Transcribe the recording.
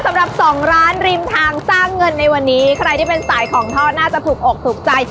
สำหรับสองร้านริมทางสร้างเงินในวันนี้ใครที่เป็นสายของทอดน่าจะถูกอกถูกใจ